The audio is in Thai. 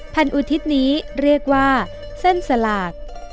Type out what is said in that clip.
อุทิศนี้เรียกว่าเส้นสลาก